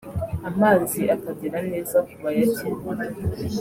amazi akagera neza ku bayakeneye